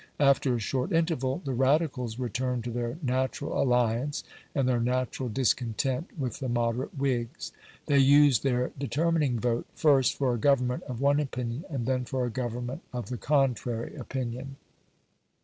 After a short interval the Radicals returned to their natural alliance and their natural discontent with the moderate Whigs. They used their determining vote first for a Government of one opinion and then for a Government of the contrary opinion.